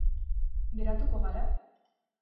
Geratuko gara?